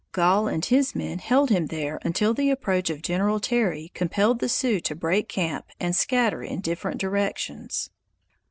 Gall and his men held him there until the approach of General Terry compelled the Sioux to break camp and scatter in different directions.